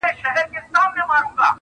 سل هنره ور بخښلي پاك سبحان دي!!